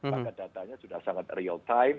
maka datanya sudah sangat real time